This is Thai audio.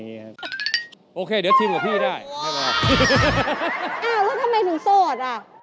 อย่างนี้ค่ะโอเคเดี๋ยวชิงกับพี่ได้ไม่ว่าแล้วก็ทำไมถึงโชษอ่ะ